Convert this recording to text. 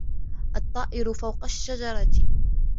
الطَّائِرُ فَوْقَ الشَّجَرَةِ.